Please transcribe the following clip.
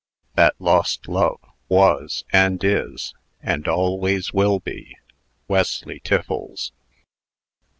That lost love was, and is, and always will be, Wesley Tiffles.